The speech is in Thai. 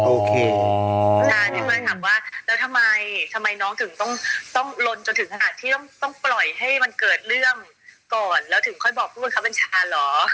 โอเคแล้วทำไมน้องถึงต้องต้องลนจนถึงขนาดที่ต้องต้องปล่อยให้มันเกิดเรื่องก่อนแล้วถึงค่อยบอกทุกคนครับเป็นชาลเหรอ